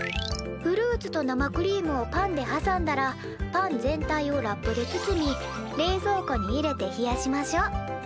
フルーツと生クリームをパンではさんだらパン全体をラップで包み冷蔵庫に入れて冷やしましょう。